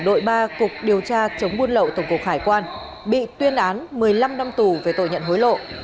đội ba cục điều tra chống buôn lậu tổng cục hải quan bị tuyên án một mươi năm năm tù về tội nhận hối lộ